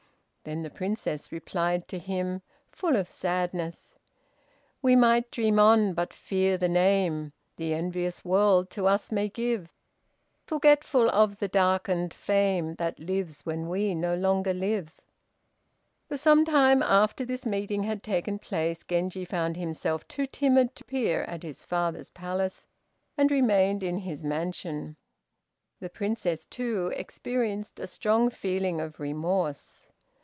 Then the Princess replied to him, full of sadness: "We might dream on but fear the name, The envious world to us may give, Forgetful of the darkened fame, That lives when we no longer live." For some time after this meeting had taken place, Genji found himself too timid to appear at his father's palace, and remained in his mansion. The Princess, too, experienced a strong feeling of remorse.